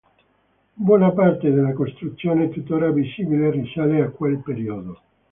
Buona parte della costruzione tuttora visibile risale a quel periodo.